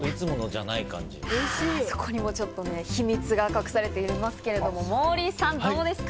そこにも秘密が隠されていますけど、モーリーさんはどうですか？